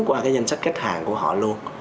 qua cái danh sách khách hàng của họ luôn